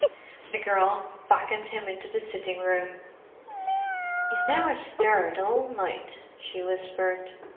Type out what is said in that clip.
The girl beckoned him into the sitting room. "'E's never stirred all night," she whispered.